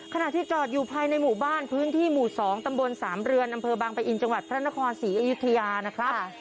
ขณะที่จอดอยู่ภายในหมู่บ้านพื้นที่หมู่๒ตำบลสามเรือนอำเภอบางปะอินจังหวัดพระนครศรีอยุธยานะครับ